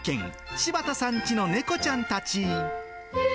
柴田さんちの猫ちゃんたち。